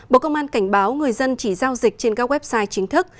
bộ công an cảnh báo người dân chỉ giao dịch trên các website chính thức